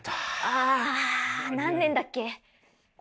ああ何年だっけ？